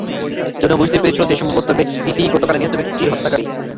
যেন সে বুঝতে পেরেছিল যে, সম্ভবত এ ব্যক্তিটিই গতকালের নিহত ব্যক্তিটির হত্যাকারী।